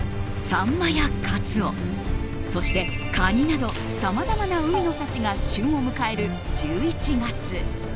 サンマやカツオそしてカニなどさまざまな海の幸が旬を迎える１１月。